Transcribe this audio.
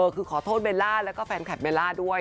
คือขอโทษเบลล่าแล้วก็แฟนคลับเบลล่าด้วย